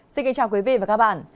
xin kính chào quý vị và các bạn